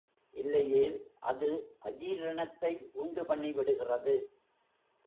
இல்லையேல் அது அஜீரணத்தை உண்டுபண்ணிவிடுகிறது.